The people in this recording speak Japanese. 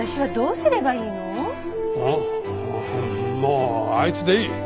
もうあいつでいい。